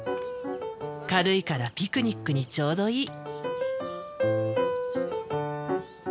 軽いからピクニックにちょうどいい。